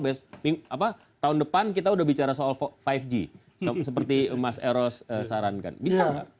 best apa tahun depan kita udah bicara soal lima g seperti mas eros sarankan bisa nggak